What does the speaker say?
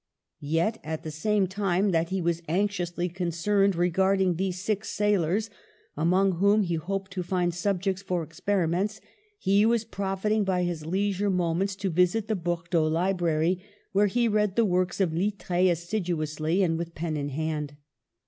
Yet, at the same time that he was anxiously concerned regarding these sick sailors, among whom he hoped to find subjects for experiments, he was profiting by his leisure moments to visit the Bordeaux library, where he read the works of Littre assiduously, and with pen in hand.